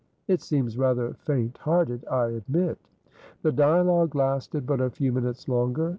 "It seems rather faint hearted, I admit." The dialogue lasted but a few minutes longer.